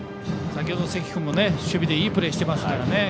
先程、関君も守備でいいプレーしてますからね。